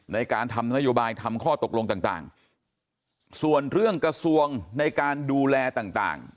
ในการทำนโยบายทำข้อตกลงต่างต่างส่วนเรื่องกระทรวงในการดูแลต่าง